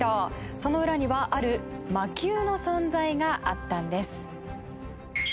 その裏にはある魔球の存在があったんです。